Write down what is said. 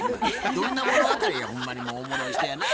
どんな物語やほんまにもうおもろい人やな。